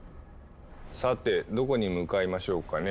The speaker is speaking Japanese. さてどこに向かいましょうかね？